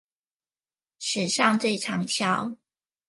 史上最長銷